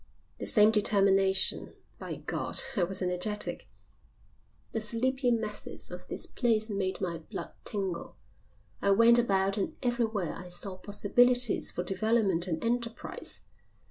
The same determination. By God, I was energetic. The sleepy methods of this place made my blood tingle. I went about and everywhere I saw possibilities for development and enterprise.